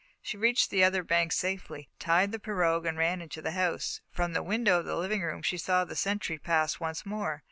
She reached the other bank safely, tied the pirogue, and ran into the house. From the window of the living room she saw the sentry pass once more.